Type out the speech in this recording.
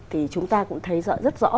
thì chúng ta cũng thấy rất rõ